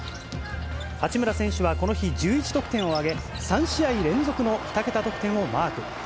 八村選手はこの日、１１得点を挙げ、３試合連続の２桁得点をマーク。